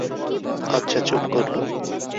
আচ্ছা, চুপ করলুম।